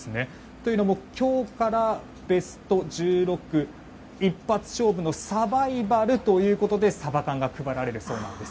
というのも今日からベスト１６一発勝負のサバイバルということでサバ缶が配られるそうです。